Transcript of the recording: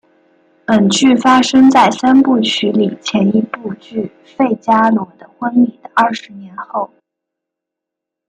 本剧发生在三部曲里前一部剧费加罗的婚礼的二十年后。